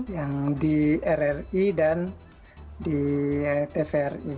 yang di rri dan di tvri